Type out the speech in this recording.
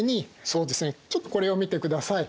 そうですねちょっとこれを見てください。